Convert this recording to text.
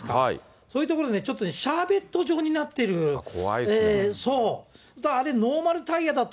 そういう所ね、ちょっとシャーベット状になっている、あれノーマルタイヤだと、